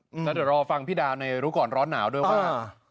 แล้วเดี๋ยวรอฟังพี่ดาในรู้ก่อนร้อนหนาวด้วยว่า